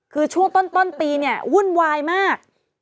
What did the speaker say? คือช่วงต้นปีเนี่ยวุ่นวายมาก